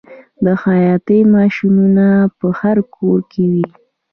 د خیاطۍ ماشینونه په هر کور کې وي